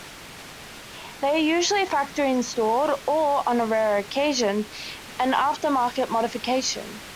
They are usually factory-installed or, on rarer occasion, an after-market modification.